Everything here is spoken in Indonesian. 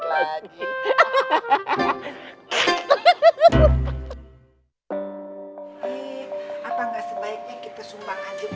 g apa nggak sebaiknya kita sumbang aja banget tuh